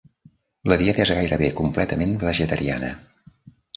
La dieta és gairebé completament vegetariana.